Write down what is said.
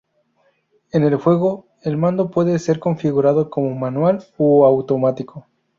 En el juego, el mando puede ser configurado como manual o automático.